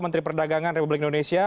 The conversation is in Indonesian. menteri perdagangan republik indonesia